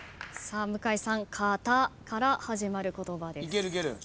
向井さん「かた」から始まる言葉です。